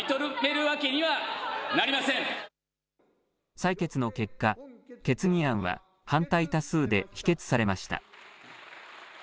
採決の結果、決議案は反対多数で否決されました。